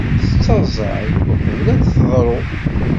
Tettaẓay uqbel ad d-teḍṛu.